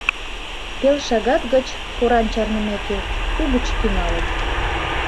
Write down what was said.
Пел шагат гыч, поран чарнымеке, угыч тӱҥалыт.